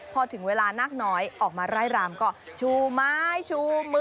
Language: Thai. พอถึงเวลานักน้อยออกมาไล่รำก็ชูไม้ชูมือ